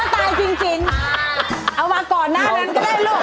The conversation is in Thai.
ตายจริงเอามาก่อนหน้านั้นก็ได้ลูก